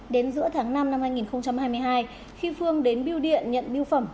đến giữa tháng năm năm hai nghìn hai mươi hai khi phương đến biêu điện nhận biêu phẩm